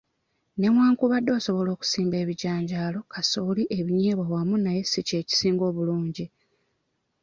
Newankubadde osobola okusimba ebijanjaalo, kasooli, ebinyeebwa wamu naye si kye kisinga obulungi.